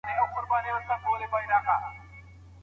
چې ترنم د سمندر او مازیګر غږوي